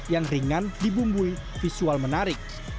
yang ringan dibumbui visual menarik